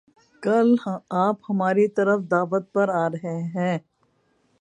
کل آپ ہماری طرف دعوت پر آرہے ہیں